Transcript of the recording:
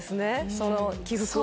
その起伏を。